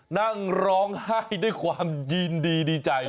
นั่งร้องไห้ด้วยความยินดีดีใจ